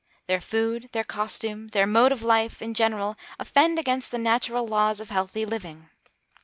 Their food, their costume, their mode of life, in general, offend against the natural laws of healthy living.